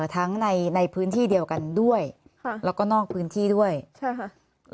ทั้งในในพื้นที่เดียวกันด้วยค่ะแล้วก็นอกพื้นที่ด้วยใช่ค่ะ